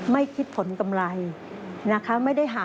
ไม่คิดผลกำไรนะคะ